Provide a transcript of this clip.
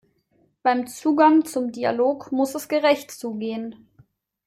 Beim Zugang zum Dialog muss es gerecht zugehen.